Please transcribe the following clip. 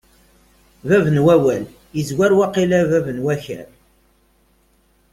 Bab n wawal yezwar waqila bab n wakal.